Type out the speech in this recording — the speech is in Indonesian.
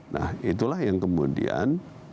nah itulah yang kemudian